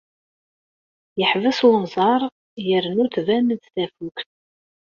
Yeḥbes unẓar yernu tban-d tafukt.